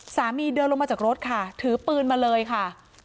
เดินลงมาจากรถค่ะถือปืนมาเลยค่ะ